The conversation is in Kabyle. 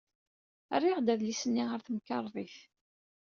Rriɣ-d adlis-nni ɣer temkerḍit.